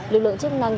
lực lượng chức năng